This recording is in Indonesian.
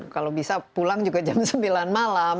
kalau bisa pulang juga jam sembilan malam